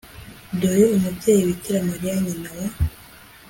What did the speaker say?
dore umubyeyi bikira mariya, nyina wa